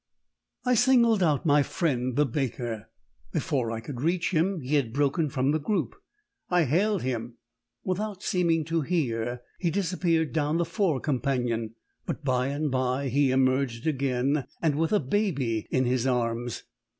I singled out my friend the baker. Before I could reach him he had broken from the group. I hailed him. Without seeming to hear, he disappeared down the fore companion. But by and by he emerged again, and with a baby in his arms.